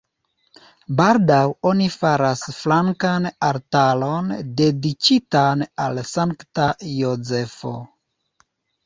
Baldaŭ oni faras flankan altaron dediĉitan al Sankta Jozefo.